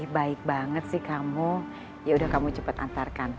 baik banget sih kamu yaudah kamu cepet antarkan